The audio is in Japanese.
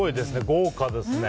豪華ですね。